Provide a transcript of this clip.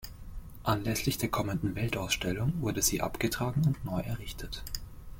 Anlässlich der kommenden Weltausstellung wurde sie abgetragen und neu errichtet.